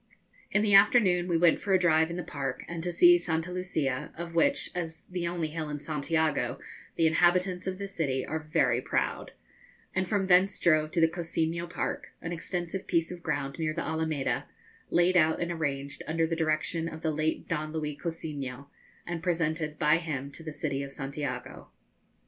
In the afternoon we went for a drive in the park, and to see Santa Lucia, of which, as the only hill in Santiago, the inhabitants of the city are very proud, and from thence drove to the Cousiño Park, an extensive piece of ground near the Alameda, laid out and arranged under the direction of the late Don Luis Cousiño, and presented by him to the city of Santiago.